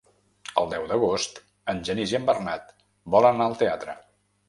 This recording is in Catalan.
El deu d'agost en Genís i en Bernat volen anar al teatre.